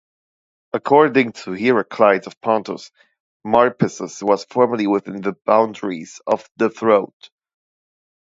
According to Heraclides of Pontus, Marpessus was formerly within the boundaries of the Troad.